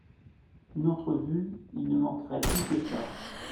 Une entrevue !… il ne manquerait plus que ça !…